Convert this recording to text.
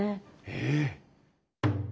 ええ！？